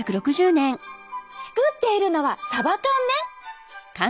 作っているのはサバ缶ね！